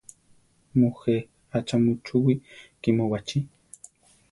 Mujé; achá muchúwi kímu baʼchí?